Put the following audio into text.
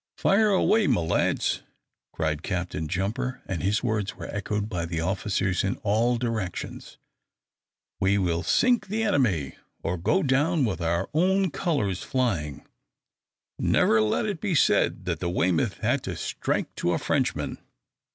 "Fire away, my lads!" cried Captain Jumper; and his words were echoed by the officers in all directions. "We will sink the enemy or go down with our own colours flying. Never let it be said that the `Weymouth' had to strike to a Frenchman!"